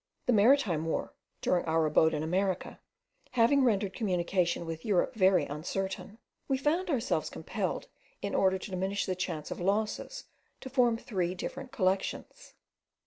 The maritime war, during our abode in America, having rendered communication with Europe very uncertain, we found ourselves compelled, in order to diminish the chance of losses, to form three different collections.